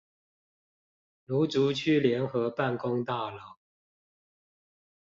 蘆竹區聯合辦公大樓